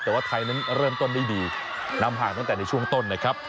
แต่ว่าไทยนั้นเริ่มต้นได้ดีนำห่างตั้งแต่ในช่วงต้นนะครับ